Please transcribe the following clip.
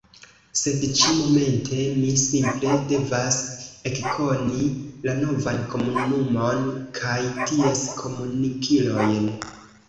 Sed ĉi–momente, mi simple devas ekkoni la novan komunumon kaj ties komunkilojn.